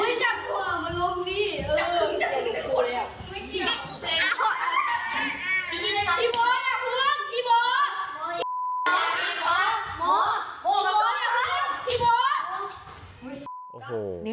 พี่โม่อย่าเหลืองพี่โม่